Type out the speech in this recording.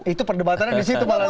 itu perdebatannya disitu pak raditya